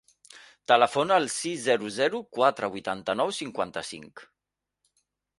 Telefona al sis, zero, zero, quatre, vuitanta-nou, cinquanta-cinc.